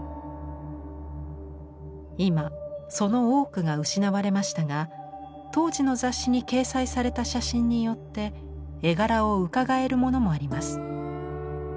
今その多くが失われましたが当時の雑誌に掲載された写真によって絵柄をうかがえるものもあります。